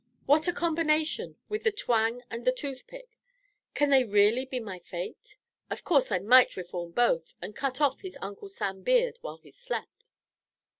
"What a combination with the twang and the toothpick! Can they really be my fate? Of course I might reform both, and cut off his Uncle Sam beard while he slept."